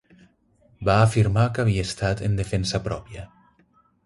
Va afirmar que havia estat en defensa pròpia.